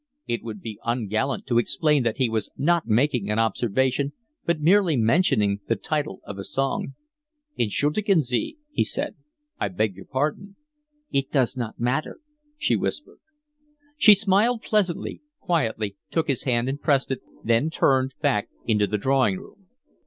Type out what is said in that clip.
It would be ungallant to explain that he was not making an observation, but merely mentioning the title of a song. "Entschuldigen Sie," he said. "I beg your pardon." "It does not matter," she whispered. She smiled pleasantly, quietly took his hand and pressed it, then turned back into the drawing room.